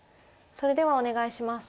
それではお願いします。